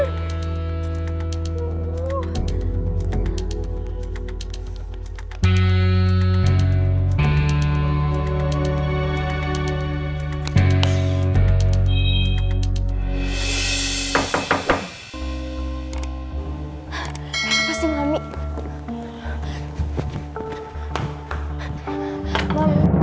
gak bisa dihubungin